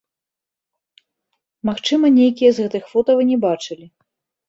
Магчыма, нейкія з гэтых фота вы не бачылі.